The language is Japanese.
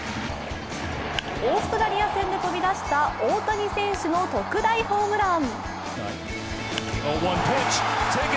オーストラリア戦で飛び出した大谷選手の特大ホームラン。